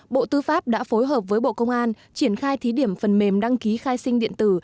bộ tư pháp đã phối hợp với bộ công an triển khai thí điểm phần mềm đăng ký khai sinh điện tử